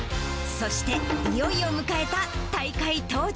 そして、いよいよ迎えた大会当日。